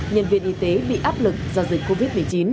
nhân viên y tế bị áp lực do dịch covid một mươi chín